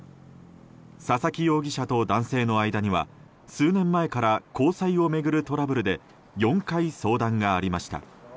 佐々木容疑者と男性の間には数年前から交際を巡るトラブルで４回、相談がありました。